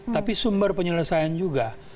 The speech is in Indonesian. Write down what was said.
tapi sumber penyelesaian juga